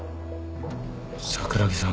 桜木さんが。